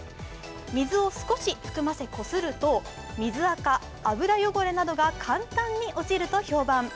水を少し含ませてこすると水あか、油汚れなどが簡単に落ちると評判。